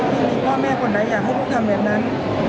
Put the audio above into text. ไม่มีพ่อแม่คนไหนอยากให้ลูกทำแบบนั้น